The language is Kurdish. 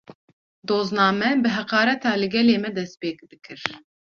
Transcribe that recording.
Dozname, bi heqareta li gelê me dest pê dikir